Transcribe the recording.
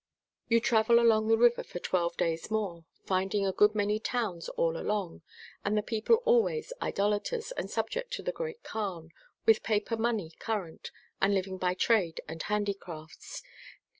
You travel along the river for twelve days more, find ing a good many towns all along, and the people always Idolaters, and subject to the Great Kaan, with paper money current, and living by trade and handicrafts.